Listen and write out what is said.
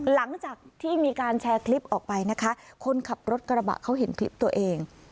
หลังจากที่มีการแชร์คลิปออกไปนะคะคนขับรถกระบะเขาเห็นคลิปตัวเอง